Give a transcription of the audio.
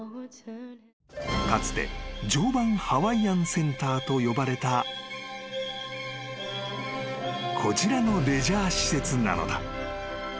［かつて常磐ハワイアンセンターと呼ばれたこちらのレジャー施設なのだ］